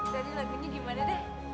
jadi lagunya gimana deh